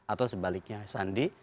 atau sebaliknya sandi